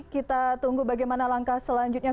kita tunggu bagaimana langkah selanjutnya